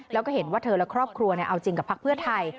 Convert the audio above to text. แล้วก็เห็นว่าเธอและครอบครัวเอาจริงกับพักเพื่อไทย